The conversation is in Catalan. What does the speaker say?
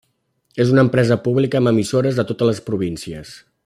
És una empresa pública amb emissores a totes les províncies.